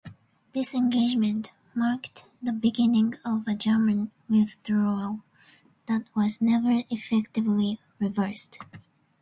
This engagement marked the beginning of a German withdrawal that was never effectively reversed.